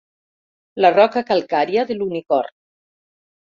La roca calcària de l'Unicorn.